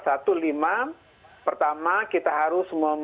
nah pertama kita harus mem